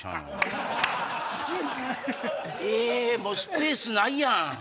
もうスペースないやん。